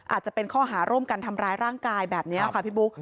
อาจจะเป็นข้อหาร่วมกันทำร้ายร่างกายแบบนี้ค่ะพี่บุ๊ค